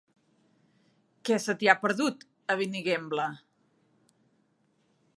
Què se t'hi ha perdut, a Benigembla?